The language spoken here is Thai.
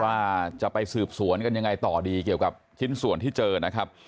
ว่าจะไปสืบสวนกันยังไงต่อดีเกี่ยวกับชิ้นส่วนที่เจอนะครับ